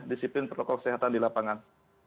disiplin protokol kesehatan di lapangan